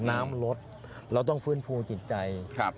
น้ำลดเราต้องฟื้นฟูจิตใจ